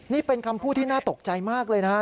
นี่เป็นคำพูดที่น่าตกใจมากเลยนะครับ